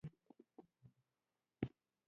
دا بکټریاوې هایپر ترموفیلیک بکټریاوې نومېږي.